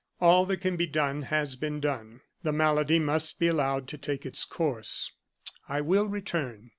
"All that can be done has been done. The malady must be allowed to take its course. I will return."